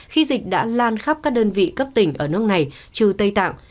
khi dịch đã lan khắp các đơn vị cấp tỉnh ở nước này trừ tây tạng